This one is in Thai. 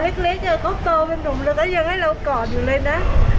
เล็กเขาโตเป็นนุ่มแล้วก็ยังให้เรากอดอยู่เลยนะ